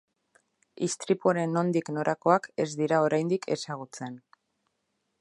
Istripuaren nondik norakoak ez dira oraindik ezagutzen.